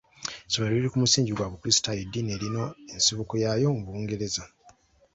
" Essomero liri ku musingi gwa bukulisitaayo, eddiini erina ensibuko yaayo mu Bungereza."